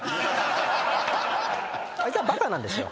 あいつはバカなんですよ。